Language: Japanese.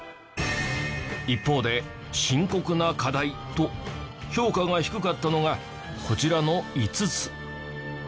一方で深刻な課題と評価が低かったのがこちらの５つ。